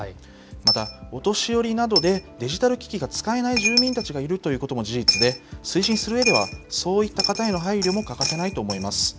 また、お年寄りなどでデジタル機器が使えない住民たちがいるということも事実で、推進するうえでは、そういった方への配慮も欠かせないと思います。